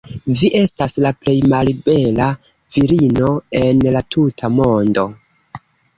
Vi estas la plej malbela virino en la tuta mondo."